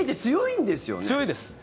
強いです。